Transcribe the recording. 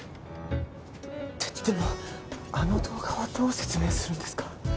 ででもあの動画はどう説明するんですか？